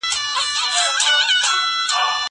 هره ورځ سبزیحات خورم!؟